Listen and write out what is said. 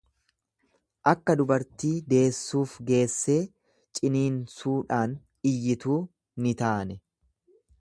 Akka dubartii deessuuf geessee ciniinsuudhaan iyyituu ni taane.